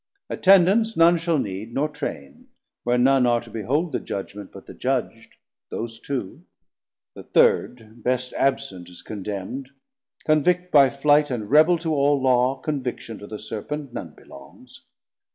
Attendance none shall need, nor Train, where none 80 Are to behold the Judgement, but the judg'd, Those two; the third best absent is condemn'd, Convict by flight, and Rebel to all Law Conviction to the Serpent none belongs.